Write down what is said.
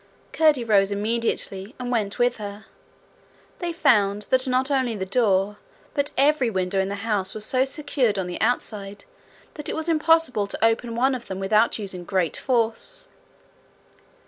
Curdie rose immediately and went with her: they found that not only the door, but every window in the house was so secured on the outside that it was impossible to open one of them without using great force.